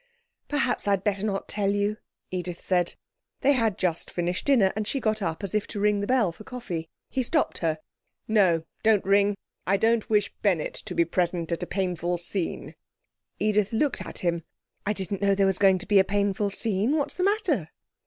'Perhaps I'd better not tell you,' Edith said. They had just finished dinner, and she got up as if to ring the bell for coffee. He stopped her. 'No! Don't ring; I don't wish Bennett to be present at a painful scene.' Edith looked at him. 'I didn't know there was going to be a painful scene. What's the matter?'